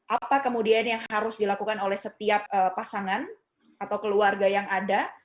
apa kemudian yang harus dilakukan oleh setiap pasangan atau keluarga yang ada